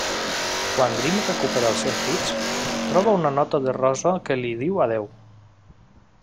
Quan Grimm recupera els sentits, troba una nota de Rosa que li diu adéu.